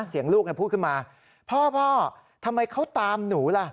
เสียงลูกพูดขึ้นมาพ่อพ่อทำไมเขาตามหนูล่ะ